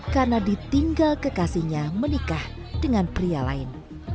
karena ditinggal kekasihnya menikah dengan pria lain